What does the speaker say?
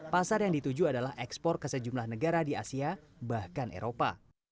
pasar yang dituju adalah ekspor ke sejumlah negara di asia bahkan eropa